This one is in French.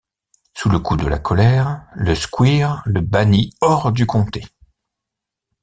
Sous le coup de la colère, le squire le bannit hors du comté.